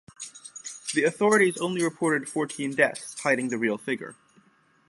The authorities only reported fourteen deaths hiding the real figure.